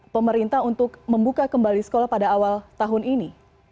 pemerintah untuk membuka kembali sekolah pada awal tahun ini